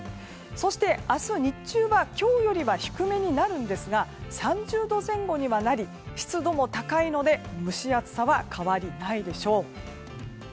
そして明日日中は今日よりは低めになるんですが３０度前後にはなり湿度も高いので蒸し暑さは変わりないでしょう。